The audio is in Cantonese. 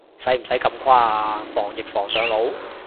使唔使咁誇啊，防疫防上腦？